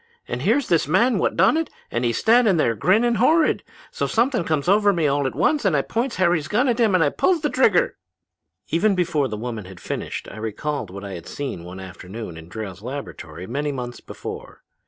And here's this man what done it, just a standin' there, grinnin' horrid. So something comes over me all at once and I points Harry's gun at him and pulls the trigger!' "Even before the woman had finished I recalled what I seen one afternoon in Drayle's laboratory many months before.